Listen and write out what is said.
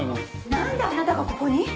なんであなたがここに！？